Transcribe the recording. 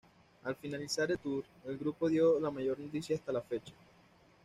Al finalizar el tour, el grupo dio la mayor noticia hasta la fecha.